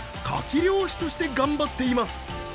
漁師として頑張っています